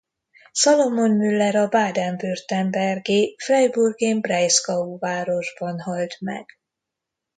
Salomon Müller a Baden-Württemberg-i Freiburg im Breisgau városban halt meg.